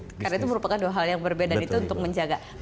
karena itu merupakan dua hal yang berbeda dan itu untuk menjaga